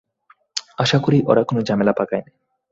আশা করি, ওরা কোনো ঝামেলা পাকায়নি।